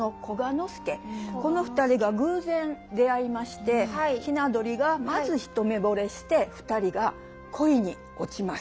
この２人が偶然出会いまして雛鳥がまず一目ぼれして２人が恋に落ちます。